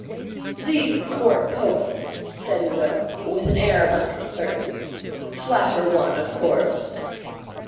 _" "These Court Poets," said Udo, with an air of unconcern, "flatter one, of course."